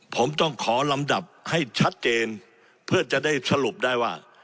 ผมต้องขอลำดับให้ชัดเจนเพื่อจะได้สรุปได้ว่า